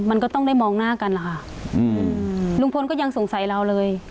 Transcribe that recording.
มันก็ต้องได้มองหน้ากันล่ะค่ะอืมลุงพลก็ยังสงสัยเราเลย